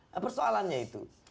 nah persoalannya itu